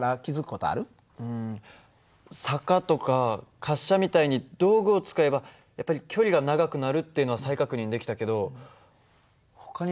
うん坂とか滑車みたいに道具を使えばやっぱり距離が長くなるっていうのは再確認できたけどほかに何かある？